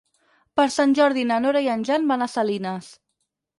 Per Sant Jordi na Nora i en Jan van a Salines.